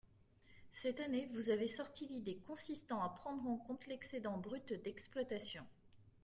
Cette année, vous avez sorti l’idée consistant à prendre en compte l’excédent brut d’exploitation.